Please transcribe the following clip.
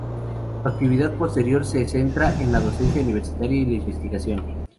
Su actividad posterior se centra en la docencia universitaria y la investigación.